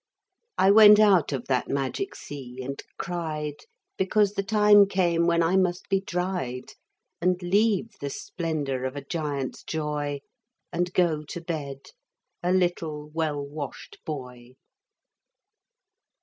I went out of that magic sea and cried Because the time came when I must be dried And leave the splendour of a giant's joy And go to bed a little well washed boy.